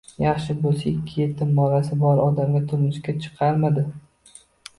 Yaxshi bo'lsa, ikki yetim bolasi bor odamga turmushga chiqarmidi?!